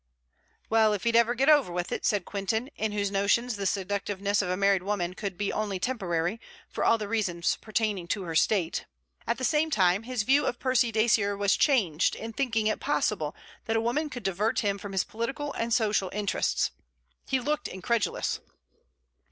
'Well, if he'd get over with it,' said Quintin, in whose notions the seductiveness of a married woman could be only temporary, for all the reasons pertaining to her state. At the same time his view of Percy Dacier was changed in thinking it possible that a woman could divert him from his political and social interests. He looked incredulous.